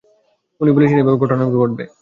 উনি বলেছিলেন, এভাবেই ঘটনাগুলো ঘটবে!